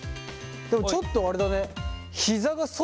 でもちょっとあれだね。